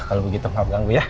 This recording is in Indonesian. kalau begitu nggak ganggu ya